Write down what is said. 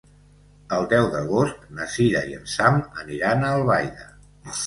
El deu d'agost na Cira i en Sam aniran a Albaida.